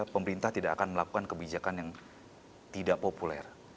pemerintah tidak akan melakukan kebijakan yang tidak populer